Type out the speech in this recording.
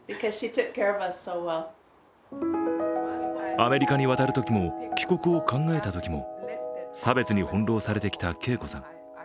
アメリカに渡るときも帰国を考えたときも差別に翻弄されてきた恵子さん。